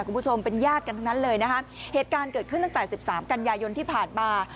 คุณผู้ชมเป็นญาติกันทั้งนั้นเลยนะคะเหตุการณ์เกิดขึ้นตั้งแต่สิบสามกันยายนที่ผ่านมา